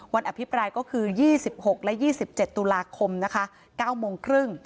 อภิปรายก็คือ๒๖และ๒๗ตุลาคมนะคะ๙โมงครึ่ง